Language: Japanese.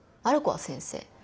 ある子は先生。